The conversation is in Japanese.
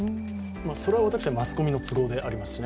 それはマスコミの都合でありますしね。